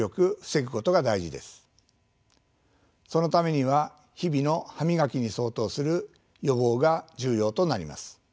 そのためには日々の歯磨きに相当する予防が重要となります。